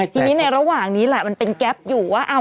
ทีนี้ในระหว่างนี้แหละมันเป็นแก๊ปอยู่ว่า